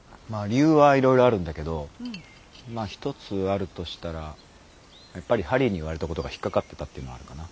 理由はいろいろあるんだけどまあ一つあるとしたらやっぱりハリーに言われたことが引っかかってたっていうのはあるかな。